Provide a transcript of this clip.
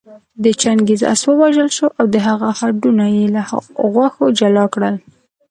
د چنګېز آس ووژل شو او د هغه هډونه يې له غوښو جلا کړل